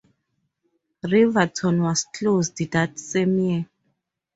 Riverton was closed that same year.